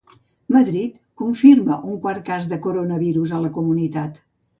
Madrid confirma un quart cas de coronavirus a la comunitat.